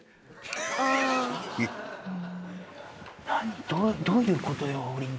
何どどういうことよ？